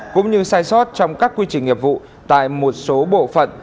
cũng như sai sót trong các quy trình nghiệp vụ tại một số bộ phận